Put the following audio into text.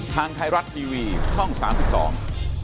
ทางไทยรัฐทีวีช่องสามสิบสอง